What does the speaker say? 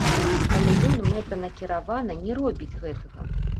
Але ён мэтанакіравана не робіць гэтага!